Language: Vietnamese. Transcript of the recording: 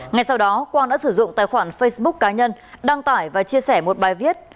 ngay sau đó quang đã sử dụng tài khoản facebook cá nhân đăng tải và chia sẻ một bài viết